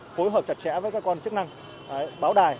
phối hợp chặt chẽ với các quan chức năng báo đài